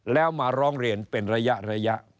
แล้วมาร้องเรียนเป็นระยะ